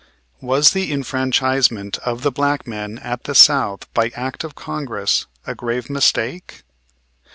Was the enfranchisement of the black men at the South by act of Congress a grave mistake?